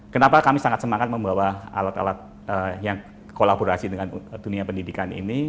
kenapa kami sangat semangat membawa alat alat yang kolaborasi dengan dunia pendidikan ini